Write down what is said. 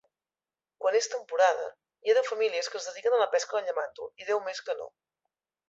Quan és temporada, hi ha deu famílies que es dediquen a la pesca del llamàntol i deu més que no.